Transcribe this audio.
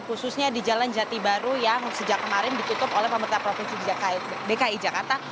khususnya di jalan jati baru yang sejak kemarin ditutup oleh pemerintah provinsi dki jakarta